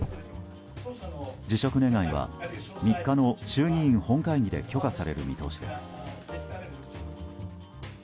辞職願は３日の衆議院本会議で許可される見通しです。